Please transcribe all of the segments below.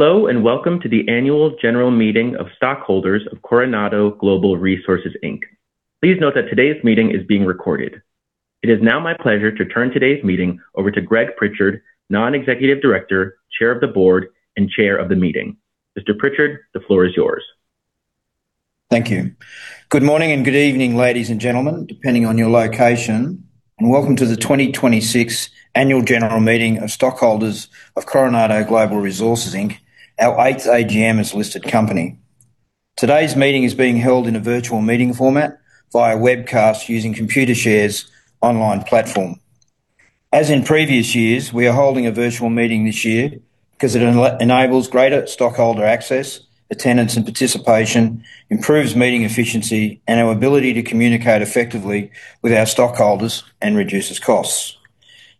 Hello, and welcome to the annual general meeting of stockholders of Coronado Global Resources Inc. Please note that today's meeting is being recorded. It is now my pleasure to turn today's meeting over to Greg Pritchard, Non-Executive Director, Chair of the Board, and Chair of the meeting. Mr. Pritchard, the floor is yours. Thank you. Good morning and good evening, ladies and gentlemen, depending on your location, and welcome to the 2026 Annual General Meeting of stockholders of Coronado Global Resources Inc., our eighth AGM as a listed company. Today's meeting is being held in a virtual meeting format via webcast using Computershare's online platform. As in previous years, we are holding a virtual meeting this year because it enables greater stockholder access, attendance, and participation, improves meeting efficiency and our ability to communicate effectively with our stockholders, and reduces costs.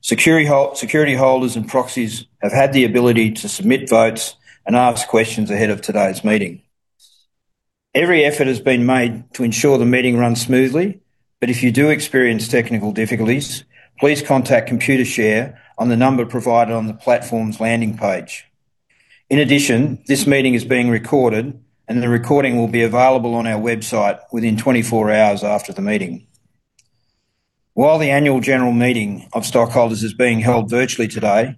Security holders and proxies have had the ability to submit votes and ask questions ahead of today's meeting. Every effort has been made to ensure the meeting runs smoothly, but if you do experience technical difficulties, please contact Computershare on the number provided on the platform's landing page. In addition, this meeting is being recorded, and the recording will be available on our website within 24 hours after the meeting. While the annual general meeting of stockholders is being held virtually today,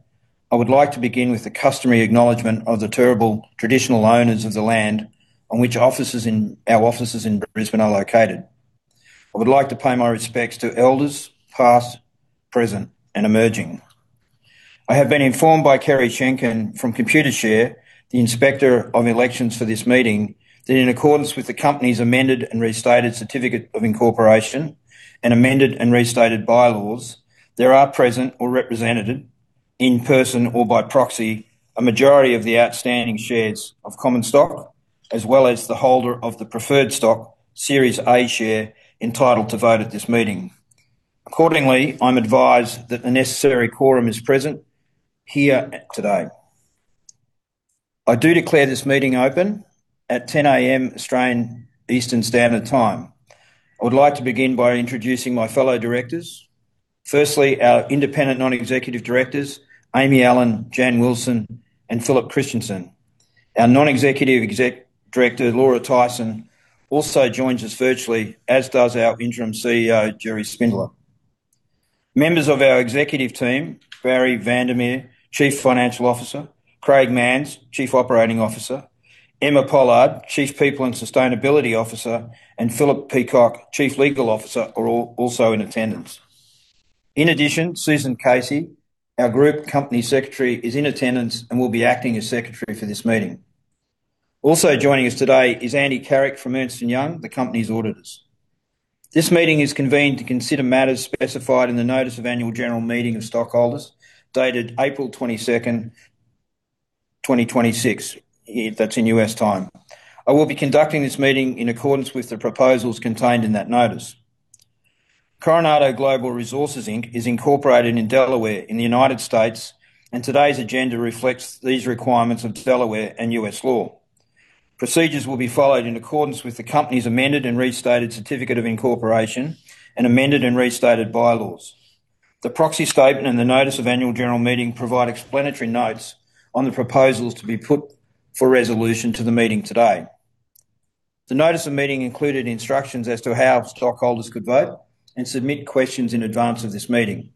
I would like to begin with the customary acknowledgment of the Turrbal traditional owners of the land on which our offices in Brisbane are located. I would like to pay my respects to elders, past, present, and emerging. I have been informed by Kerri Shenkin from Computershare, the Inspector of Elections for this meeting, that in accordance with the company's amended and restated certificate of incorporation and amended and restated bylaws, there are present or represented, in person or by proxy, a majority of the outstanding shares of common stock, as well as the holder of the preferred stock, Series A share, entitled to vote at this meeting. Accordingly, I'm advised that the necessary quorum is present here today. I do declare this meeting open at 10:00 A.M. Australian Eastern Standard Time. I would like to begin by introducing my fellow directors. Firstly, our Independent Non-Executive Directors, Aimee Allen, Jan Wilson, and Philip Christensen. Our Non-Executive Director, Laura Tyson, also joins us virtually, as does our Interim CEO, Gerry Spindler. Members of our executive team, Barrie van der Merwe, Chief Financial Officer, Craig Manz, Chief Operating Officer, Emma Pollard, Chief People and Sustainability Officer, and Philip Peacock, Chief Legal Officer, are all also in attendance. In addition, Susan Casey, our Group Company Secretary, is in attendance and will be acting as secretary for this meeting. Also joining us today is Andy Carrick from Ernst & Young, the company's auditors. This meeting is convened to consider matters specified in the notice of annual general meeting of stockholders, dated 22 April 2026. That's in U.S. time. I will be conducting this meeting in accordance with the proposals contained in that notice. Coronado Global Resources Inc. is incorporated in Delaware in the United States. Today's agenda reflects these requirements of Delaware and U.S. law. Procedures will be followed in accordance with the company's amended and restated certificate of incorporation and amended and restated bylaws. The proxy statement and the notice of annual general meeting provide explanatory notes on the proposals to be put for resolution to the meeting today. The notice of meeting included instructions as to how stockholders could vote and submit questions in advance of this meeting.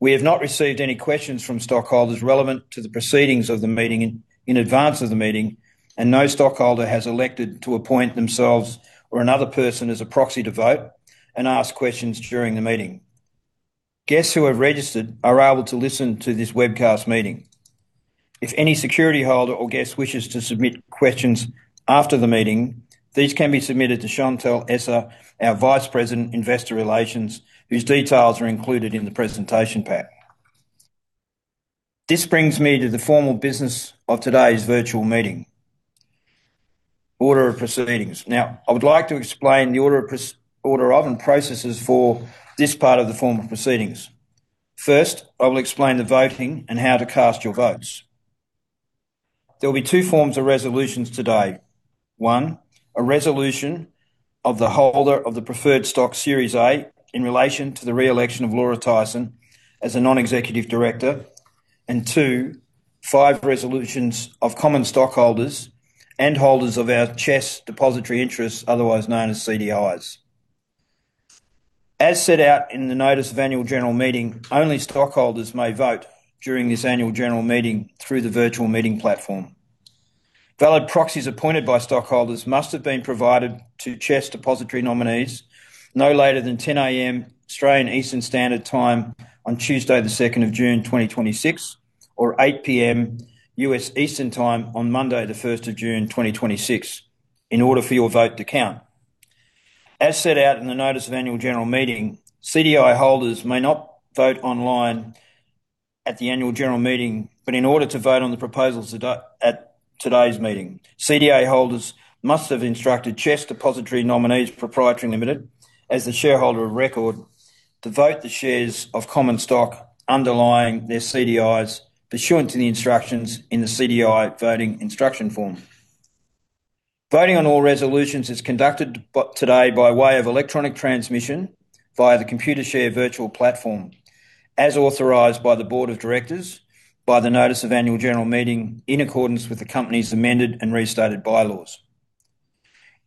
We have not received any questions from stockholders relevant to the proceedings of the meeting in advance of the meeting. No stockholder has elected to appoint themselves or another person as a proxy to vote and ask questions during the meeting. Guests who have registered are able to listen to this webcast meeting. If any security holder or guest wishes to submit questions after the meeting, these can be submitted to Chantelle Esser, our Vice President, Investor Relations, whose details are included in the presentation pack. This brings me to the formal business of today's virtual meeting. Order of proceedings. I would like to explain the order of and processes for this part of the formal proceedings. First, I will explain the voting and how to cast your votes. There will be two forms of resolutions today. One, a resolution of the holder of the preferred stock Series A in relation to the re-election of Laura Tyson as a non-executive director. Two, five resolutions of common stockholders and holders of our CHESS Depositary Interests, otherwise known as CDIs. As set out in the notice of annual general meeting, only stockholders may vote during this annual general meeting through the virtual meeting platform. Valid proxies appointed by stockholders must have been provided to CHESS Depositary Nominees no later than 10:00 A.M. Australian Eastern Standard Time on Tuesday the 2 June 2026 or 8:00 P.M. U.S. Eastern Time on Monday the 1 June 2026, in order for your vote to count. As set out in the notice of annual general meeting, CDI holders may not vote online at the annual general meeting. In order to vote on the proposals at today's meeting, CDI holders must have instructed CHESS Depositary Nominees Pty Limited, as the shareholder of record, to vote the shares of common stock underlying their CDIs pursuant to the instructions in the CDI voting instruction form. Voting on all resolutions is conducted today by way of electronic transmission via the Computershare virtual platform as authorized by the board of directors, by the notice of annual general meeting in accordance with the company's amended and restated bylaws.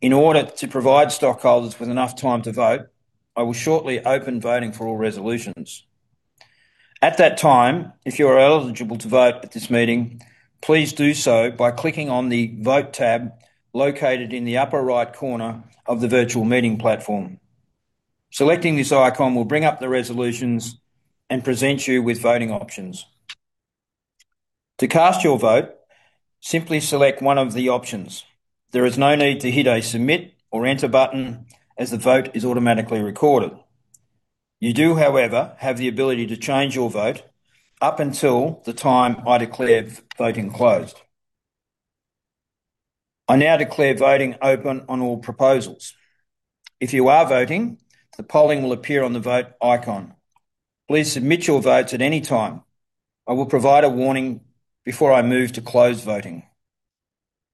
In order to provide stockholders with enough time to vote, I will shortly open voting for all resolutions. At that time, if you are eligible to vote at this meeting, please do so by clicking on the Vote tab located in the upper right corner of the virtual meeting platform. Selecting this icon will bring up the resolutions and present you with voting options. To cast your vote, simply select one of the options. There is no need to hit a Submit or Enter button as the vote is automatically recorded. You do, however, have the ability to change your vote up until the time I declare voting closed. I now declare voting open on all proposals. If you are voting, the polling will appear on the Vote icon. Please submit your votes at any time. I will provide a warning before I move to close voting.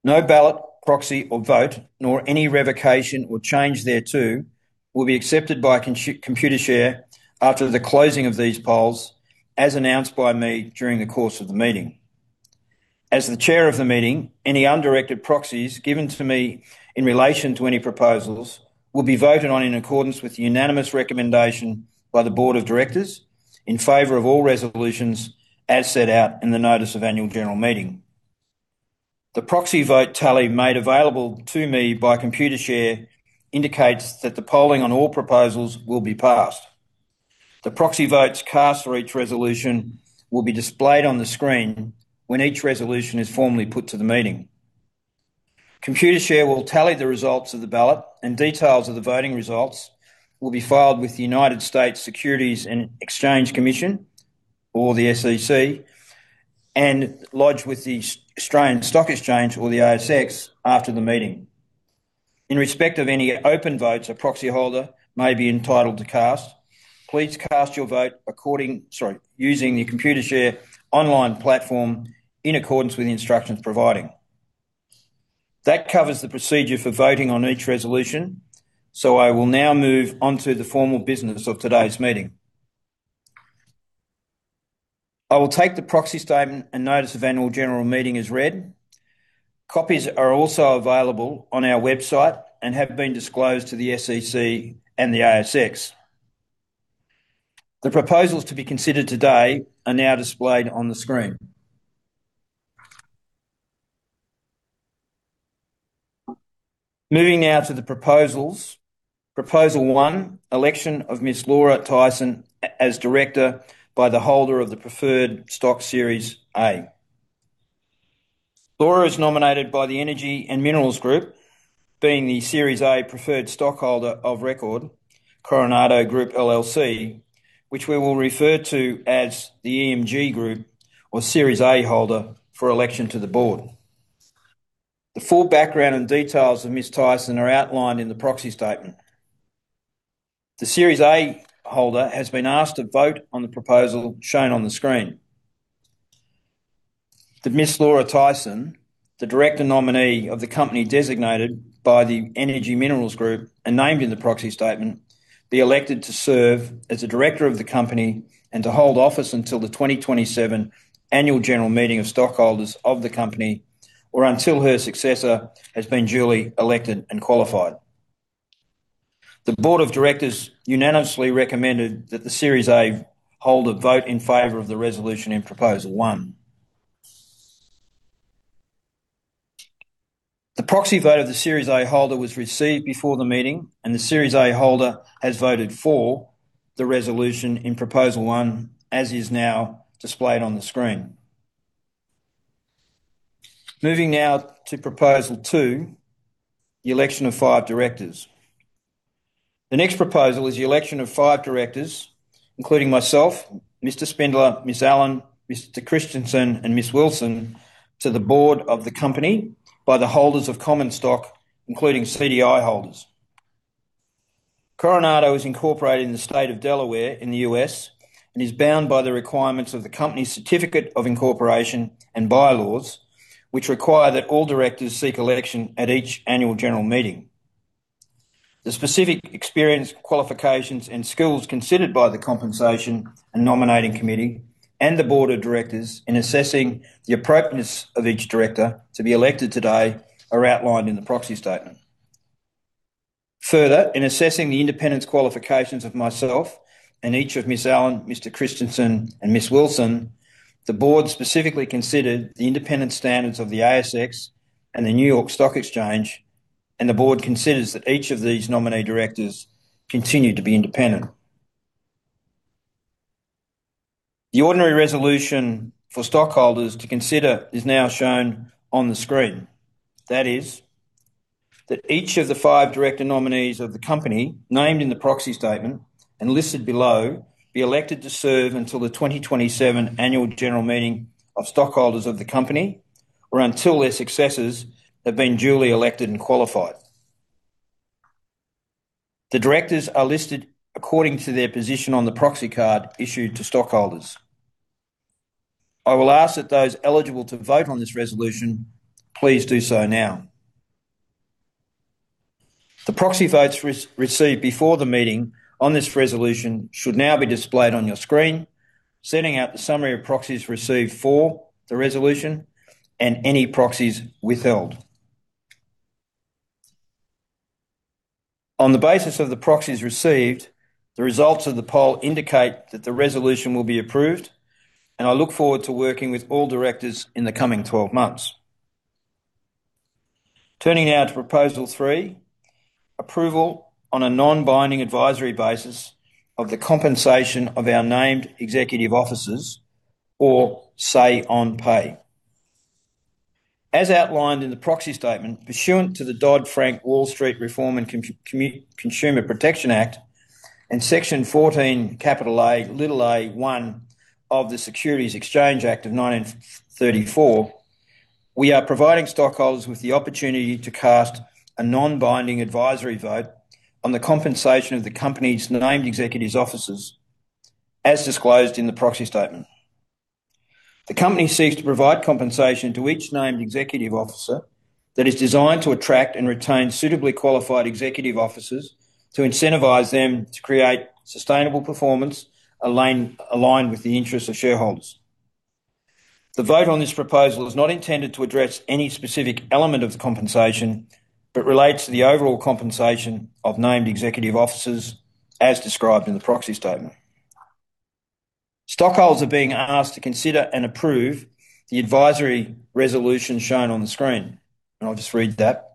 No ballot, proxy, or vote, nor any revocation or change thereto, will be accepted by Computershare after the closing of these polls as announced by me during the course of the meeting. As the chair of the meeting, any undirected proxies given to me in relation to any proposals will be voted on in accordance with the unanimous recommendation by the board of directors in favor of all resolutions as set out in the notice of annual general meeting. The proxy vote tally made available to me by Computershare indicates that the polling on all proposals will be passed. The proxy votes cast for each resolution will be displayed on the screen when each resolution is formally put to the meeting. Computershare will tally the results of the ballot, and details of the voting results will be filed with the United States Securities and Exchange Commission, or the SEC, and lodged with The Australian Securities Exchange, or the ASX, after the meeting. In respect of any open votes a proxyholder may be entitled to cast, please cast your vote according, using the Computershare online platform in accordance with the instructions providing. That covers the procedure for voting on each resolution, so I will now move on to the formal business of today's meeting. I will take the proxy statement and notice of annual general meeting as read. Copies are also available on our website and have been disclosed to the SEC and the ASX. The proposals to be considered today are now displayed on the screen. Moving now to the proposals. Proposal one, election of Ms. Laura Tyson as director by the holder of the preferred stock Series A. Laura is nominated by The Energy & Minerals Group, being the Series A preferred stockholder of record, Coronado Group LLC, which we will refer to as the EMG or Series A holder for election to the board. The full background and details of Ms. Tyson are outlined in the proxy statement. The Series A holder has been asked to vote on the proposal shown on the screen. That Ms. Laura Tyson, the director nominee of the company designated by The Energy & Minerals Group and named in the proxy statement, be elected to serve as a director of the company and to hold office until the 2027 annual general meeting of stockholders of the company or until her successor has been duly elected and qualified. The board of directors unanimously recommended that the Series A holder vote in favor of the resolution in proposal one. The proxy vote of the Series A holder was received before the meeting, and the Series A holder has voted for the resolution in proposal one as is now displayed on the screen. Moving now to proposal two, the election of five directors. The next proposal is the election of five directors, including myself, Mr. Spindler, Ms. Allen, Mr. Christensen, and Ms. Wilson, to the board of the company by the holders of common stock, including CDI holders. Coronado is incorporated in the state of Delaware in the U.S. and is bound by the requirements of the company's certificate of incorporation and bylaws, which require that all directors seek election at each annual general meeting. The specific experience, qualifications, and skills considered by the compensation and nominating committee and the board of directors in assessing the appropriateness of each director to be elected today are outlined in the proxy statement. Further, in assessing the independence qualifications of myself and each of Ms. Allen, Mr. Christensen, and Ms. Wilson, the board specifically considered the independent standards of the ASX and the New York Stock Exchange, and the board considers that each of these nominee directors continue to be independent. The ordinary resolution for stockholders to consider is now shown on the screen. That is that each of the five director nominees of the company named in the proxy statement and listed below be elected to serve until the 2027 annual general meeting of stockholders of the company or until their successors have been duly elected and qualified. The directors are listed according to their position on the proxy card issued to stockholders. I will ask that those eligible to vote on this resolution, please do so now. The proxy votes received before the meeting on this resolution should now be displayed on your screen, setting out the summary of proxies received for the resolution and any proxies withheld. On the basis of the proxies received, the results of the poll indicate that the resolution will be approved, and I look forward to working with all directors in the coming 12 months. Turning now to proposal three, approval on a non-binding advisory basis of the compensation of our named executive officers or say on pay. As outlined in the proxy statement, pursuant to the Dodd-Frank Wall Street Reform and Consumer Protection Act, and Section 14A (1) of the Securities Exchange Act of 1934, we are providing stockholders with the opportunity to cast a non-binding advisory vote on the compensation of the company's named executives officers as disclosed in the proxy statement. The company seeks to provide compensation to each named executive officer that is designed to attract and retain suitably qualified executive officers to incentivize them to create sustainable performance aligned with the interest of shareholders. The vote on this proposal is not intended to address any specific element of the compensation, but relates to the overall compensation of named executive officers as described in the proxy statement. Stockholders are being asked to consider and approve the advisory resolution shown on the screen, and I'll just read that.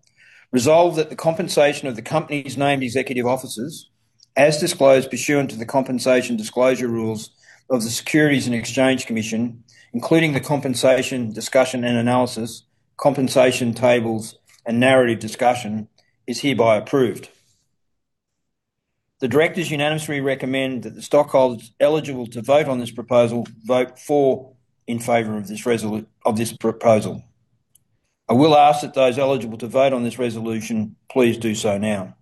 Resolve that the compensation of the company's named executive officers as disclosed pursuant to the compensation disclosure rules of the Securities and Exchange Commission, including the compensation discussion and analysis, compensation tables, and narrative discussion, is hereby approved. The directors unanimously recommend that the stockholders eligible to vote on this proposal vote for in favor of this proposal. I will ask that those eligible to vote on this resolution, please do so now.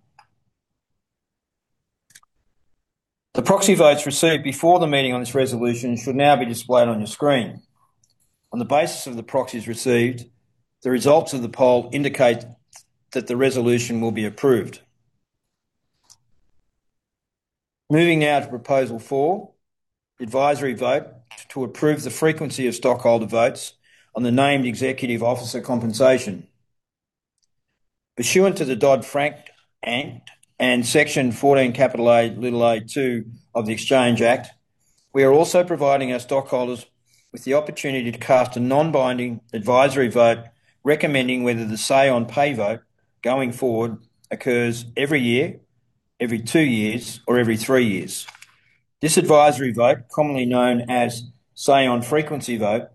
The proxy votes received before the meeting on this resolution should now be displayed on your screen. On the basis of the proxies received, the results of the poll indicate that the resolution will be approved. Moving now to proposal four, advisory vote to approve the frequency of stockholder votes on the named executive officer compensation. Pursuant to the Dodd-Frank Act and Section 14A (2) of the Exchange Act, we are also providing our stockholders with the opportunity to cast a non-binding advisory vote recommending whether the say on pay vote going forward occurs every year, every two years, or every three years. This advisory vote, commonly known as say on frequency vote,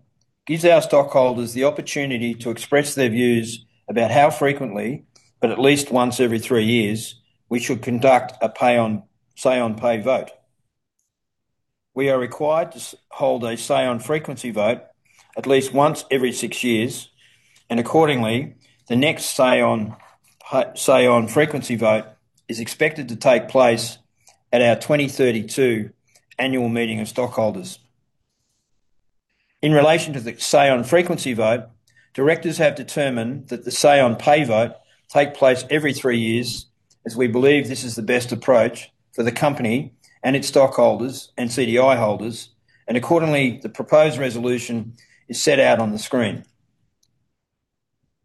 gives our stockholders the opportunity to express their views about how frequently, but at least once every three years, we should conduct a say on pay vote. We are required to hold a say on frequency vote at least once every six years, and accordingly, the next say on frequency vote is expected to take place at our 2032 annual meeting of stockholders. In relation to the say on frequency vote, directors have determined that the say on pay vote take place every three years as we believe this is the best approach for the company and its stockholders and CDI holders, and accordingly, the proposed resolution is set out on the screen.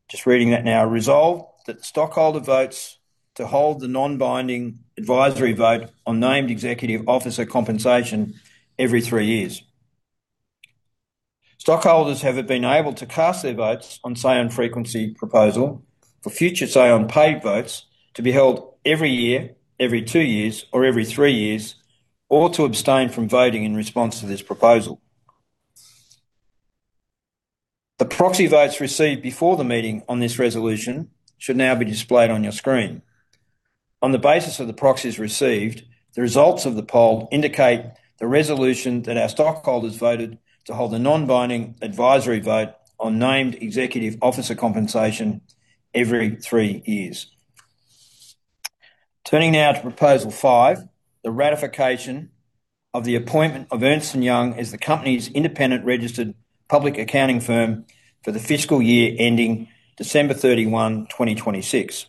Just reading that now. Resolve that the stockholder votes to hold the non-binding advisory vote on named executive officer compensation every three years. Stockholders have been able to cast their votes on say on frequency proposal for future say on pay votes to be held every year, every two years, or every three years, or to abstain from voting in response to this proposal. The proxy votes received before the meeting on this resolution should now be displayed on your screen. On the basis of the proxies received, the results of the poll indicate the resolution that our stockholders voted to hold a non-binding advisory vote on named executive officer compensation every three years. Turning now to proposal five, the ratification of the appointment of Ernst & Young as the company's independent registered public accounting firm for the fiscal year ending 31 December 2026.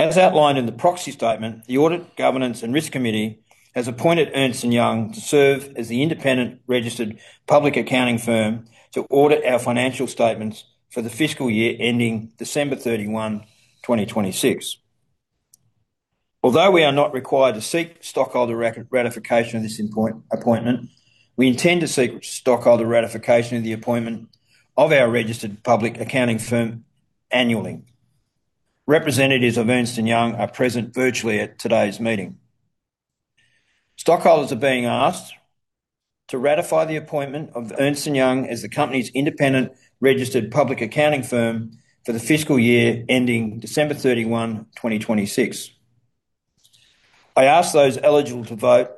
As outlined in the proxy statement, the Audit, Governance, and Risk Committee has appointed Ernst & Young to serve as the Independent Registered Public Accounting Firm to audit our financial statements for the fiscal year ending 31 December 2026. Although we are not required to seek stockholder ratification of this appointment, we intend to seek stockholder ratification of the appointment of our Registered Public Accounting Firm annually. Representatives of Ernst & Young are present virtually at today's meeting. Stockholders are being asked to ratify the appointment of Ernst & Young as the company's Independent Registered Public Accounting Firm for the fiscal year ending 31 December 2026. I ask those eligible to vote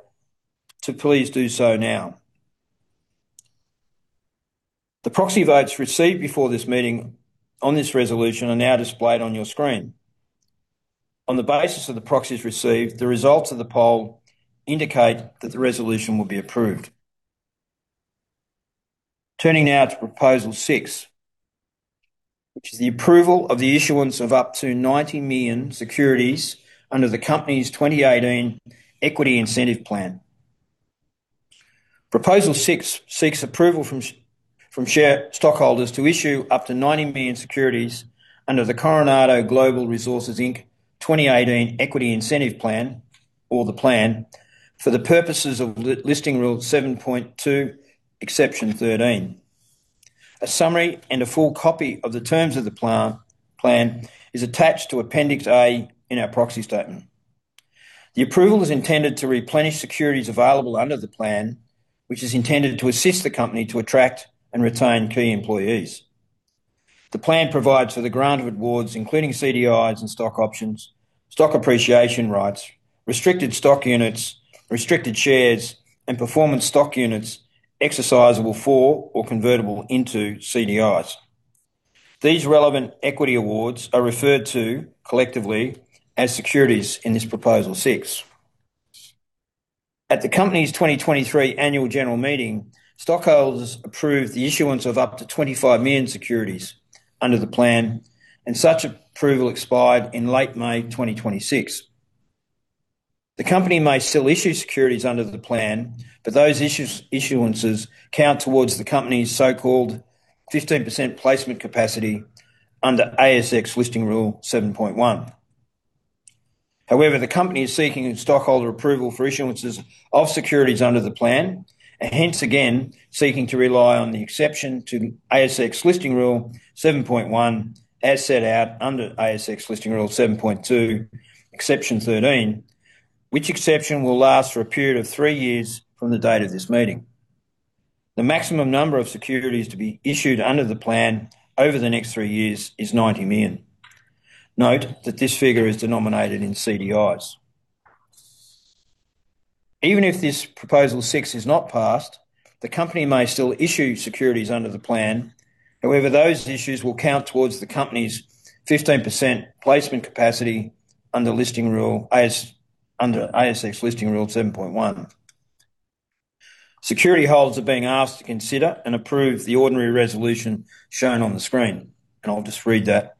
to please do so now. The proxy votes received before this meeting on this resolution are now displayed on your screen. On the basis of the proxies received, the results of the poll indicate that the resolution will be approved. Turning now to proposal six, which is the approval of the issuance of up to 90 million securities under the company's 2018 Equity Incentive Plan. Proposal six seeks approval from share stockholders to issue up to 90 million securities under the Coronado Global Resources Inc. 2018 Equity Incentive Plan, or the plan, for the purposes of ASX Listing Rule 7.2, exception 13. A summary and a full copy of the terms of the plan is attached to appendix A in our proxy statement. The approval is intended to replenish securities available under the plan, which is intended to assist the company to attract and retain key employees. The plan provides for the grant of awards, including CDIs and stock options, stock appreciation rights, restricted stock units, restricted shares, and performance stock units exercisable for or convertible into CDIs. These relevant equity awards are referred to collectively as securities in this proposal six. At the company's 2023 Annual General Meeting, stockholders approved the issuance of up to 25 million securities under the plan. Such approval expired in late May 2026. The company may still issue securities under the plan, those issuances count towards the company's so-called 15% placement capacity under ASX Listing Rule 7.1. However, the company is seeking stockholder approval for issuances of securities under the plan, and hence again, seeking to rely on the exception to the ASX Listing Rule 7.1 as set out under ASX Listing Rule 7.2, exception 13, which exception will last for a period of three years from the date of this meeting. The maximum number of securities to be issued under the plan over the next three years is 90 million. Note that this figure is denominated in CDIs. Even if this proposal 6 is not passed, the company may still issue securities under the plan. However, those issues will count towards the company's 15% placement capacity under ASX Listing Rule 7.1. Security holders are being asked to consider and approve the ordinary resolution shown on the screen. I'll just read that.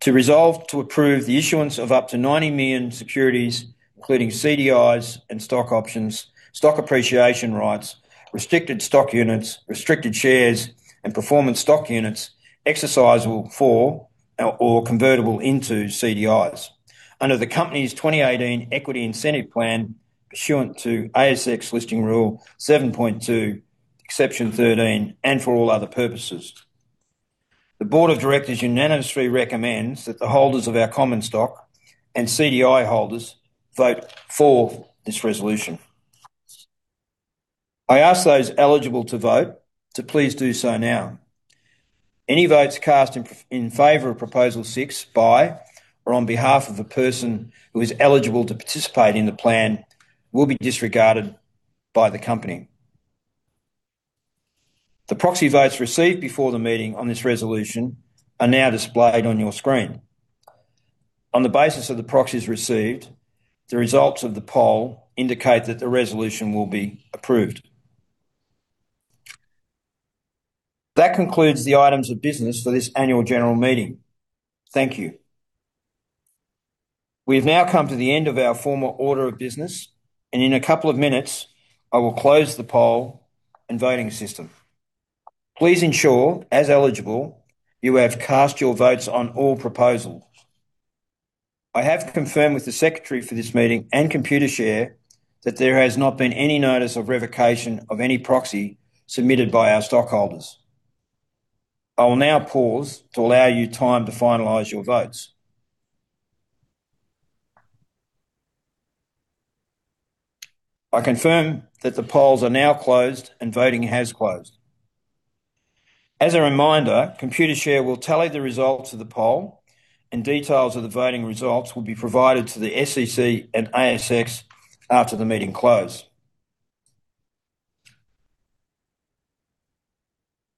To resolve to approve the issuance of up to 90 million securities, including CDIs and stock options, stock appreciation rights, restricted stock units, restricted shares, and performance stock units exercisable for or convertible into CDIs under the company's 2018 Equity Incentive Plan pursuant to ASX Listing Rule 7.2, exception 13, and for all other purposes. The board of directors unanimously recommends that the holders of our common stock and CDI holders vote for this resolution. I ask those eligible to vote to please do so now. Any votes cast in favor of proposal six by or on behalf of a person who is eligible to participate in the plan will be disregarded by the company. The proxy votes received before the meeting on this resolution are now displayed on your screen. On the basis of the proxies received, the results of the poll indicate that the resolution will be approved. That concludes the items of business for this annual general meeting. Thank you. We have now come to the end of our formal order of business, and in a couple of minutes, I will close the poll and voting system. Please ensure, as eligible, you have cast your votes on all proposals. I have confirmed with the secretary for this meeting and Computershare that there has not been any notice of revocation of any proxy submitted by our stockholders. I will now pause to allow you time to finalize your votes. I confirm that the polls are now closed and voting has closed. As a reminder, Computershare will tally the results of the poll, and details of the voting results will be provided to the SEC and ASX after the meeting close.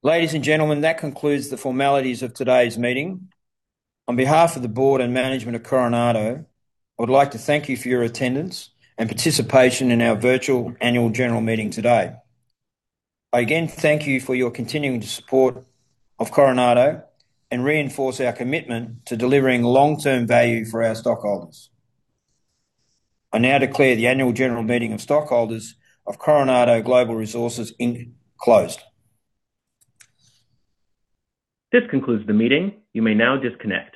Ladies and gentlemen, that concludes the formalities of today's meeting. On behalf of the board and management of Coronado, I would like to thank you for your attendance and participation in our virtual annual general meeting today. I again thank you for your continuing support of Coronado and reinforce our commitment to delivering long-term value for our stockholders. I now declare the annual general meeting of stockholders of Coronado Global Resources Inc. closed. This concludes the meeting. You may now disconnect.